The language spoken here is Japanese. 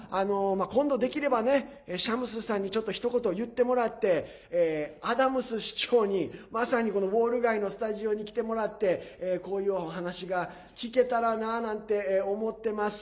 今度、できればねシャムスさんに、ちょっとひと言、言ってもらってアダムズ市長にまさに、ウォール街のスタジオに来てもらってこういうお話が聞けたらななんて思ってます。